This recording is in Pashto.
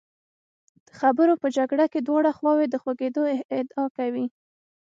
د خبرو په جګړه کې دواړه خواوې د خوږېدو ادعا کوي.